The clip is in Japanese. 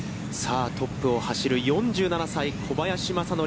トップを走る４７歳、小林正則。